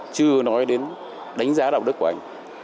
chưa nói đến đánh giá đạo đức của anh